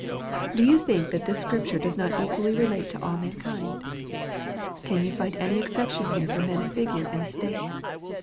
Do you think that this scripture does not equally relate to all mankind ? Can you find any exception here for men of figure and estate?